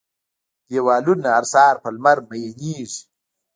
دیوالونه، هر سهار په لمر میینیږې